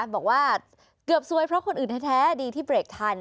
บอกว่าเกือบซวยเพราะคนอื่นแท้ดีที่เบรกทัน